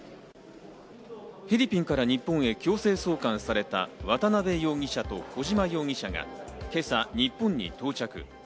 フィリピンから日本へ強制送還された渡辺容疑者と小島容疑者が今朝、日本に到着。